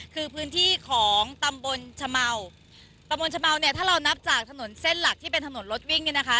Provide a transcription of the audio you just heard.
คือพื้นที่ของตำบลชะเมาตำบลชะเมาเนี่ยถ้าเรานับจากถนนเส้นหลักที่เป็นถนนรถวิ่งเนี่ยนะคะ